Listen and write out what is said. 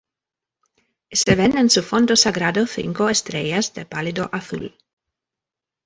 Y se ven en su fondo sagrado cinco estrellas de pálido azul;